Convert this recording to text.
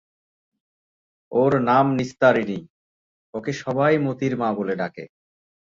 ওর নাম নিস্তারিণী, ওকে সবাই মোতির মা বলে ডাকে।